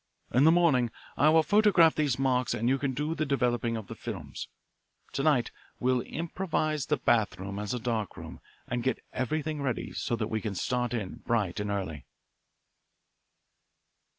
In the morning I will photograph these marks and you can do the developing of the films. To night we'll improvise the bathroom as a dark room and get everything ready so that we can start in bright and early."